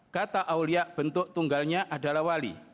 kata aulia bentuk tunggalnya adalah wali